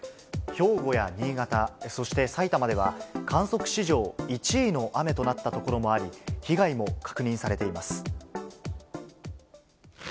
兵庫や新潟、そして埼玉では、観測史上１位の雨となった所もあり、被害も確認されています。